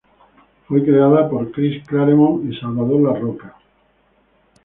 Fue creada por Chris Claremont y Salvador Larroca.